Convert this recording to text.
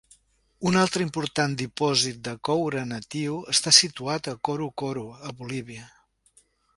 Un altre important dipòsit de coure natiu està situat a Coro Coro, a Bolívia.